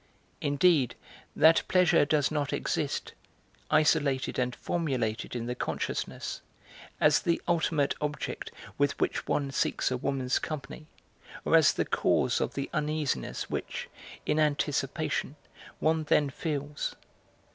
Indeed, that pleasure does not exist, isolated and formulated in the consciousness, as the ultimate object with which one seeks a woman's company, or as the cause of the uneasiness which, in anticipation, one then feels.